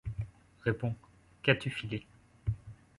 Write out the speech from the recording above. Réponds. Qu'as-tu filé ?